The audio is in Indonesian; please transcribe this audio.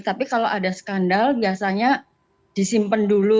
tapi kalau ada skandal biasanya disimpan dulu